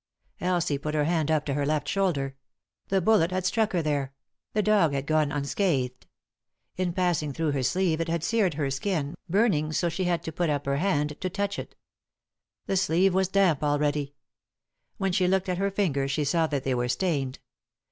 Elsie put her hand up to her left shoulder. The bullet had struck her there ; the dog had gone un scathed. In passing through her sleeve it had seared her skin, burning so that she had to put up her hand to touch it. The sleeve was damp already. When she looked at her fingers she saw that they were stained.